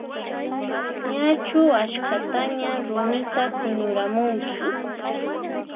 Ñachu askhataña rumita huñuramunki?